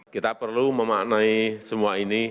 kita perlu memaknai semua ini